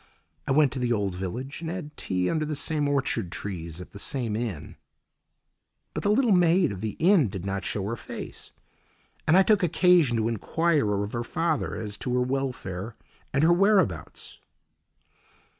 I went to the old village and had tea under the same orchard trees at the same inn. But the little maid of the inn did not show her face, and I took occasion to enquire of her father as to her welfare and her whereabouts.